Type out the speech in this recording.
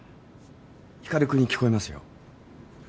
光君に聞こえますよ。